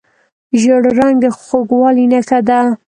ژیړ رنګ د خوږوالي نښه ده.